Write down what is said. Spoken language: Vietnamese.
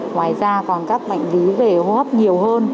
ngoài ra còn các bệnh lý về hô hấp nhiều hơn